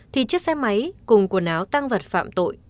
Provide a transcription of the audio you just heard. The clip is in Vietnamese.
thì chiếc xe máy cùng quần áo tăng vật phạm tội